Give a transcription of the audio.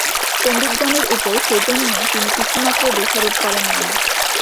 পণ্ডিতগণের উপর সেজন্য তিনি কিছুমাত্র দোষারোপ করেন নাই।